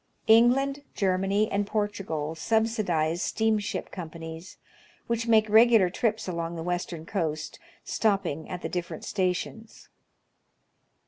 England, Germany, and Portugal subsidize steamship companies which make regular trips along the western coast, stopping at the different stations.